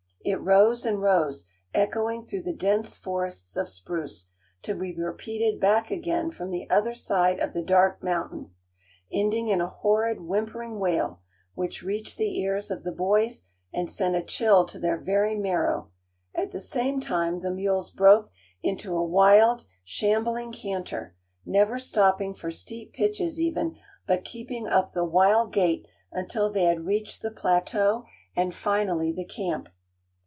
It rose and rose, echoing through the dense forests of spruce, to be repeated back again from the other side of the dark mountain, ending in a horrid, whimpering wail, which reached the ears of the boys, and sent a chill to their very marrow; at the same time the mules broke into a wild, shambling canter, never stopping for steep pitches even, but keeping up the wild gait until they had reached the plateau, and finally the camp.